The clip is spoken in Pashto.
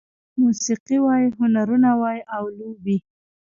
موسيقي وای، هنرونه وای او لوبې